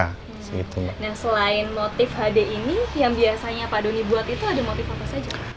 nah selain motif hd ini yang biasanya pak doni buat itu ada motif apa saja